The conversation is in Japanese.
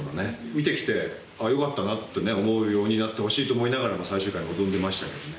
見て来てよかったなって思うようになってほしいと思いながら最終回臨んでましたけどね。